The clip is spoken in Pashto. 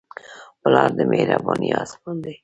پلار د مهربانۍ اسمان دی.